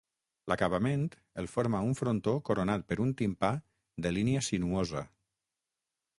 L'acabament el forma un frontó coronat per un timpà de línia sinuosa.